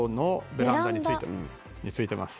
ベランダ。に付いてます。